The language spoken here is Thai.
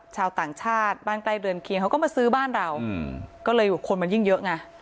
ชาวต่างชาติบ้านใกล้เรือนเคียงเขาก็มาซื้อบ้านเราก็เลยคนมันยิ่งเยอะไง